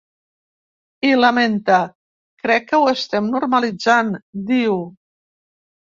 I lamenta: ‘Crec que ho estem normalitzant’, diu.